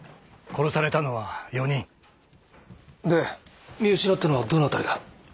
殺されたのは４人。で見失ったのはどの辺りだ？